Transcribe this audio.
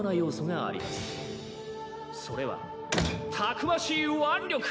それはたくましい腕力！